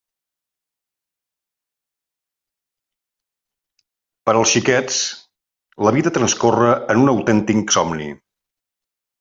Per als xiquets la vida transcorre en un autèntic somni.